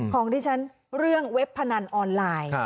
ของดิฉันเรื่องเว็บพนันออนไลน์